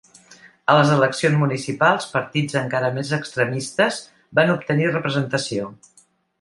A les eleccions municipals, partits encara més extremistes van obtenir representació.